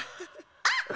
あっ！